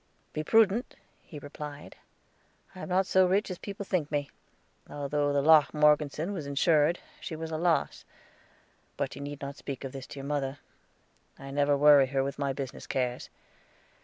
"Be prudent," he replied. "I am not so rich as people think me. Although the Locke Morgeson was insured, she was a loss. But you need not speak of this to your mother. I never worry her with my business cares.